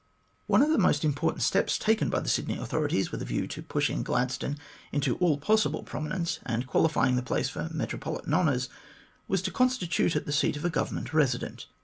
One of the most important steps taken by the Sydney authorities with a view to pushing Gladstone into all possible prominence, and qualifying the place for metropolitan honours, was to constitute it the seat of a Government Eesident.